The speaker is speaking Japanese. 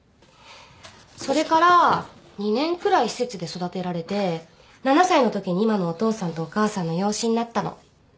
それから２年くらい施設で育てられて７歳のときに今のお父さんとお母さんの養子になったの。